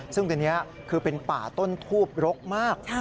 ซึ่งตรงนี้คือเป็นป่าต้นทูบรกมาก